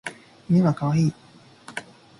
犬はかわいい